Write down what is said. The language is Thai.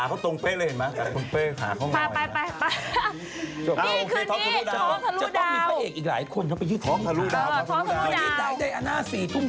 เพราะทุกคนดูขาเขาตรงเป๊ะเลยเห็นไหม